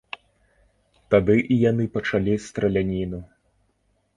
Тады і яны пачалі страляніну.